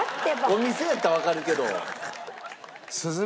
お店やったらわかるけど。